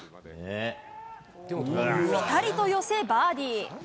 ぴたりと寄せバーディー。